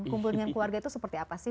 kumpul dengan keluarga itu seperti apa sih